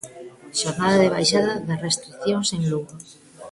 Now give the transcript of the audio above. Xornada de baixada das restricións en Lugo.